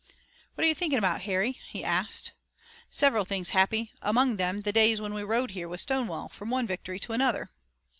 "What are you thinking about, Harry?" he asked. "Several things, Happy. Among them, the days when we rode here with Stonewall from one victory to another."